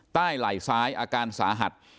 ไหล่ซ้ายอาการสาหัส